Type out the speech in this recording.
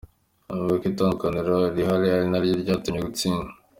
Avuga ko itandukaniro rihari ari naryo ryatumye gitsindwa.